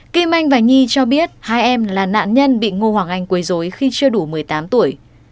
kim anh và nhi cho biết hai em là nạn nhân bị ngô hoàng anh quấy dối khi chưa đủ một mươi tám tuổi